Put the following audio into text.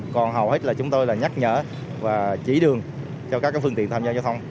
còn hầu hết là chúng tôi là nhắc nhở và chỉ đường cho các phương tiện tham gia giao thông